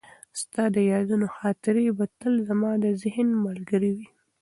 ستا د یادونو خاطرې به تل زما د ذهن ملګرې وي.